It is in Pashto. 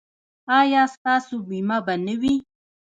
ایا ستاسو بیمه به نه وي؟